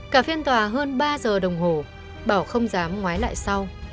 cả phiên tòa hơn ba giờ đồng hồ bảo không dám nói lại sau